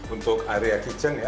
untuk area kitchen ya